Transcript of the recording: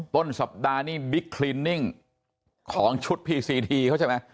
ต้นสัปดาห์นี่บิ๊กคลินนิ่งของชุดพีซีทีเขาใช่ไหม